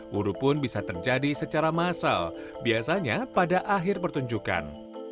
wuru pun bisa terjadi secara massal biasanya pada akhir pertunjukan